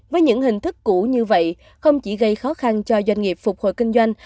với những hình thức cũ như vậy không chỉ gây khó khăn cho doanh nghiệp phục hồi kinh doanh